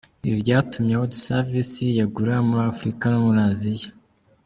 Ibi byatumye World Service yiyagura muri Afurika no muri Aziya.